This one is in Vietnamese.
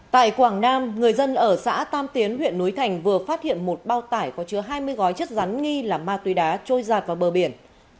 tại quảng nam người dân ở xã tam tiến huyện núi thành vừa phát hiện một bao tải có chứa hai mươi gói chất rắn nghi là ma túy đá trôi giạt vào bờ biển